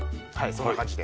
そんな感じで。